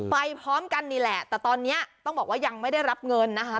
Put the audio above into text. พร้อมกันนี่แหละแต่ตอนนี้ต้องบอกว่ายังไม่ได้รับเงินนะคะ